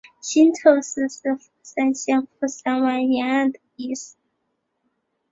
新凑市是富山县富山湾沿岸的一市。